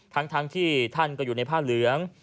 ทั้งที่ท่านก็อยู่ในผ้าเหลือง